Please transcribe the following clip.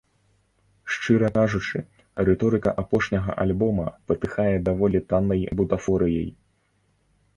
Шчыра кажучы, рыторыка апошняга альбома патыхае даволі таннай бутафорыяй.